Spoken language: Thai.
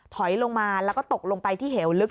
ถอยลงมาแล้วก็ตกลงไปที่เหวลึก